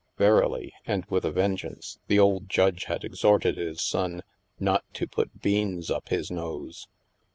Verily, and with a vengeance, the old judge had exhorted his son " not to put beans up his nose."